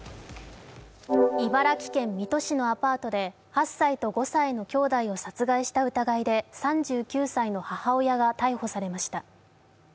茨城県水戸市のアパートで８歳と５歳のきょうだいを殺害した疑いで３９歳の母親が逮捕されました。